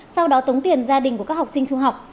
sau đó tống tiền gia đình của các học sinh trung học